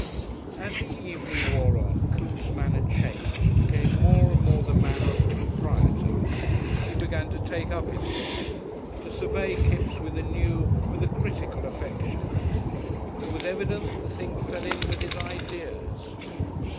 As the evening wore on Coote's manner changed, became more and more the manner of a proprietor. He began to take up his rôle, to survey Kipps with a new, with a critical affection. It was evident the thing fell in with his ideas.